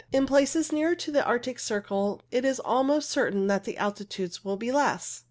In places nearer to the Arctic Circle it is also almost certain that the altitudes will be less.